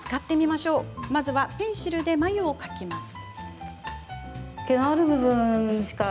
まずはペンシルで眉を描きます。